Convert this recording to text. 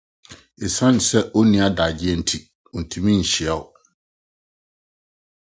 Esiane sɛ onni adagyew nti, ontumi nhyia wo.